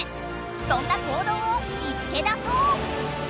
そんな行動を見つけ出そう！